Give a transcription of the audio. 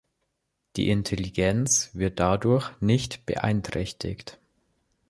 Die Intelligenz wird dadurch nicht beeinträchtigt.